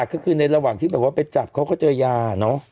ก็คือในระหว่างที่ไปจับเขาก็เจอยา